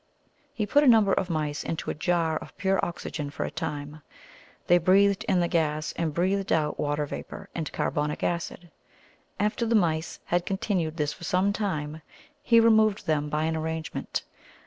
He put a number of mice into a jar of pure oxygen for a time; they breathed in the gas, and breathed out water vapour and carbonic acid. After the mice had continued this for some time, he removed them by an arrangement.